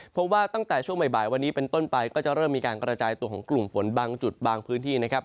เพราะว่าตั้งแต่ช่วงบ่ายวันนี้เป็นต้นไปก็จะเริ่มมีการกระจายตัวของกลุ่มฝนบางจุดบางพื้นที่นะครับ